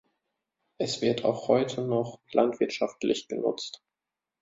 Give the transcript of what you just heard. Es wird auch heute noch landwirtschaftlich genutzt.